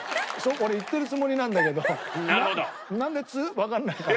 俺言ってるつもりなんだけどなんでわかんないかな？